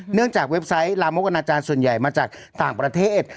จากเว็บไซต์ลามกอนาจารย์ส่วนใหญ่มาจากต่างประเทศ